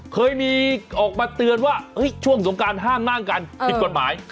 เคยมีออกมาเตือนว่าช่วงสงการห้ามนั่งกันผิดกฎหมาย